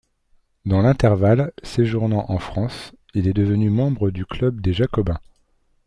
Dans l'intervalle, séjournant en France, il est devenu membre du club des Jacobins.